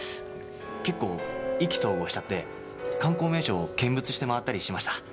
結構意気投合しちゃって観光名所を見物して回ったりしました。